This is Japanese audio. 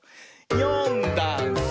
「よんだんす」